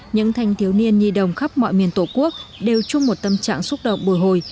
những thanh thiếu niên nhi đồng khắp mọi miền tổ quốc đều chung một tâm trạng xúc động bồi hồi